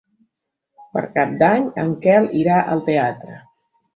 Per Cap d'Any en Quel irà al teatre.